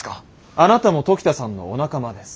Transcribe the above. あなたも時田さんのお仲間です。